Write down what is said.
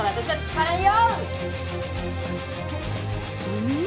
うん。